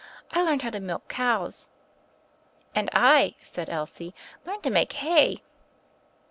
I learned how to milk cows." "And I," said Elsie, "learned to make hay."